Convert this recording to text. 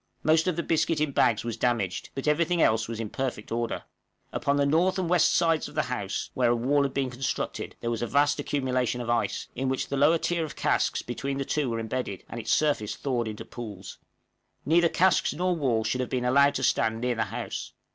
Most of the biscuit in bags was damaged, but every thing else was in perfect order. Upon the north and west sides of the house, where a wall had been constructed, there was a vast accumulation of ice, in which the lower tier of casks between the two were embedded, and its surface thawed into pools. Neither casks nor walls should have been allowed to stand near the house.